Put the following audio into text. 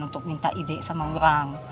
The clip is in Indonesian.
untuk minta ide sama orang